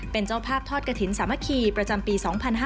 เป็นเจ้าภาพทอดกระถิ่นสามัคคีประจำปี๒๕๕๙